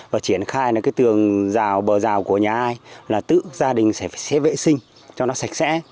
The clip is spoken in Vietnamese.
và triển khai là cái tường dào bờ dào của nhà ai là tự gia đình sẽ vệ sinh cho nó sạch sẽ